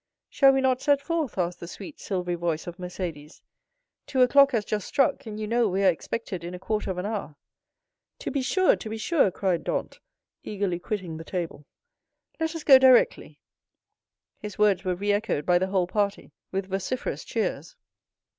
"Shall we not set forth?" asked the sweet, silvery voice of Mercédès; "two o'clock has just struck, and you know we are expected in a quarter of an hour." 0071m "To be sure!—to be sure!" cried Dantès, eagerly quitting the table; "let us go directly!" His words were re echoed by the whole party, with vociferous cheers.